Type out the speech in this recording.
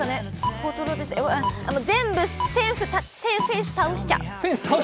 全部フェンス倒しちゃう？